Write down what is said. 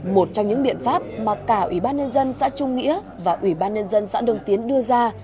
một trong những biện pháp mà cả ủy ban nhân dân xã trung nghĩa và ủy ban nhân dân xã đồng tiến đưa ra